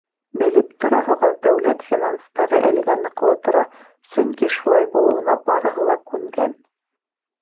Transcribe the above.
Белеп тораһығыҙ, дәүләт финанстары әлегә ныҡлы тора, сөнки шулай булыуына барыһы ла күнгән.